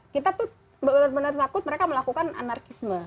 kita tuh benar benar takut mereka melakukan anarkisme